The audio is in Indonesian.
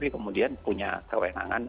kemudian punya kewenangan